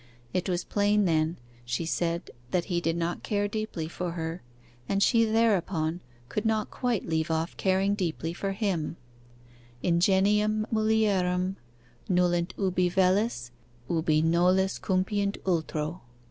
It was plain then, she said, that he did not care deeply for her, and she thereupon could not quite leave off caring deeply for him: 'Ingenium mulierum, Nolunt ubi velis, ubi nolis cupiunt ultro.